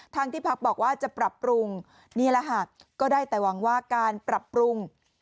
ที่พักบอกว่าจะปรับปรุงนี่แหละค่ะก็ได้แต่หวังว่าการปรับปรุง